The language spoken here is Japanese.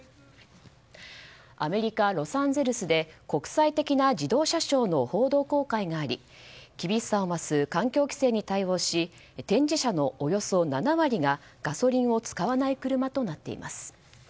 アメリカ・ロサンゼルスで国際的な自動車ショーの報道公開があり厳しさを増す環境規制に対し展示車のおよそ７割がガソリンを使わない車となっています。